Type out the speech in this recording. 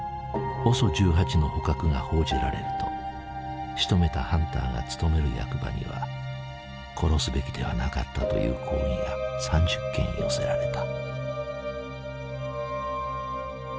ＯＳＯ１８の捕獲が報じられるとしとめたハンターが勤める役場には殺すべきではなかったという抗議が３０件寄せられた。